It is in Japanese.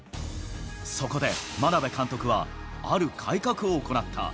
そこで眞鍋監督は、ある改革を行った。